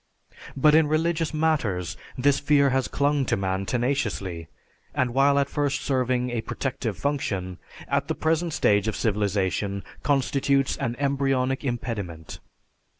But in religious matters this fear has clung to man tenaciously; and while at first serving a protective function, at the present stage of civilization constitutes an embryonic impediment.